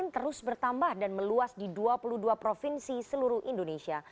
terus bertambah dan meluas di dua puluh dua provinsi seluruh indonesia